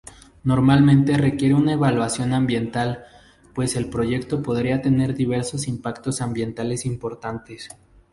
Normalmente requiere una evaluación ambiental, pues el proyecto podría tener diversos impactos ambientales importantes.